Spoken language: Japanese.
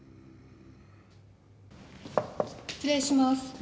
失礼します。